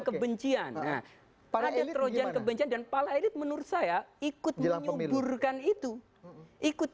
kebencian ada terojan kebencian dan pala elit menurut saya ikut menyuburkan itu ikut